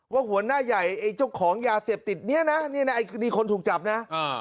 ว่าหัวหน้าใหญ่ไอ้เจ้าของยาเสพติดเนี่ยนะนี่คนถูกจับนะ